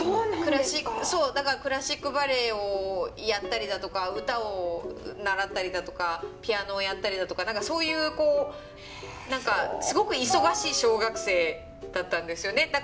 だからクラシックバレエをやったりだとか歌を習ったりだとかピアノをやったりだとか何かそういうすごく忙しい小学生だったんですよね。